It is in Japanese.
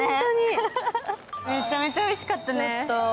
めちゃめちゃおいしかったね。